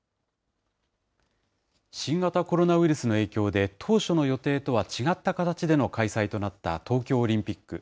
新型コロナウイルスの影響で、当初の予定とは違った形での開催となった東京オリンピック。